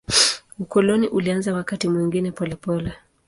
Ukoloni ulianza wakati mwingine polepole.